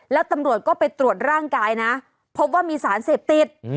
แล้วตำรวจก็ไปตรวจร่างกายนะพบว่ามีสารเสพติด